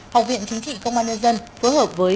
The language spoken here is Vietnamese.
học viện chính trị công an nhân dân phối hợp với